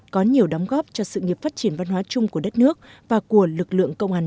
có nhiều đóng góp cho sự nghiệp phát triển văn hóa chung của đất nước và của lực lượng công an nhân